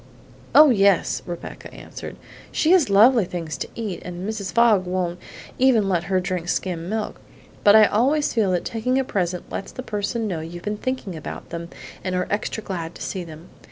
"Oh, yes," Rebecca answered, "she has lovely things to eat, and Mrs. Fogg won't even let her drink skim milk; but I always feel that taking a present lets the person know you've been thinking about them and are extra glad to see them.